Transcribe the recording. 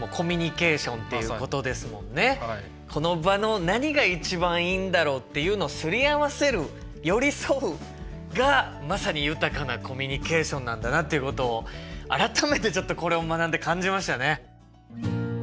この場の何が一番いいんだろうっていうのをすり合わせる寄り添うがまさに豊かなコミュニケーションなんだなっていうことを改めてちょっとこれを学んで感じましたね。